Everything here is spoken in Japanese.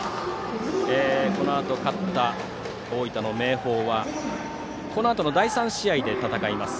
このあと勝った大分の明豊はこのあと第３試合で戦います